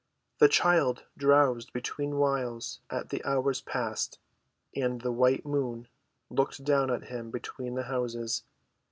The child drowsed between whiles as the hours passed, and the white moon looked down at him between the houses.